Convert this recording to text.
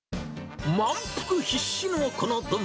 満腹必至のこの丼。